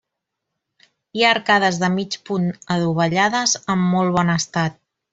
Hi ha arcades de mig punt adovellades en molt bon estat.